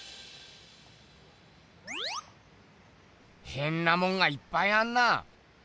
ヘンなもんがいっぱいあんな。